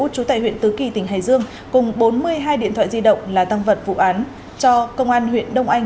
trú tại huyện tứ kỳ tỉnh hải dương cùng bốn mươi hai điện thoại di động là tăng vật vụ án cho công an huyện đông anh